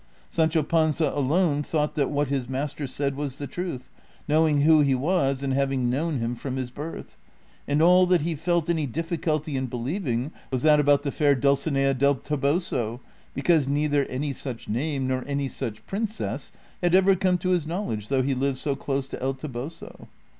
Sancho Panza alone thought that what his master said was the truth, knowing who he was and having known him from his birth ; and all that he felt any difficulty in believing was that about the fair Dulcinea del Toboso, be cause neither any such name nor any such princess had ever come to his knowledge though he lived so close to El Toboso.'